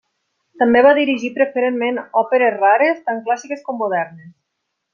També va dirigir preferentment òperes rares, tant clàssiques com modernes.